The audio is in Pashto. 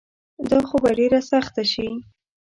دا خو به ډیره سخته شي